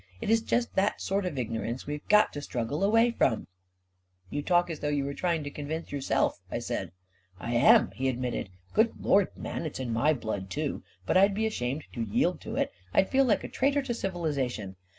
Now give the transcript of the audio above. It is just that sort of ignorance we've got to struggle away from !"" You talk as though you were trying to convince yourself," I said. " I am," he admitted. " Good Lord, man, it's in my blood too ! But I'd be ashamed to yield to it. I'd feel like a traitor to civilization!